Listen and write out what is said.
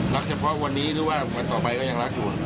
เฉพาะวันนี้หรือว่าวันต่อไปก็ยังรักอยู่